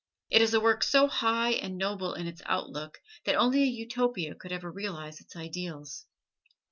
It is a work so high and noble in its outlook that only a Utopia could ever realize its ideals.